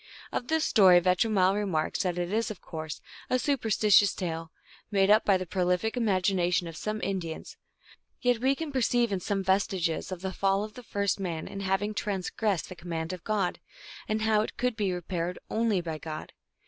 Of this story Vetromile remarks that "it is, of course, a superstitious tale, made up by the prolific imagination of some Indians, yet we can perceive in it some vestiges of the fall of the first man in having transgressed the command of God, and how it could be repaired only by God.